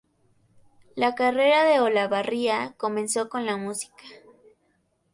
La carrera de Olavarría comenzó con la música.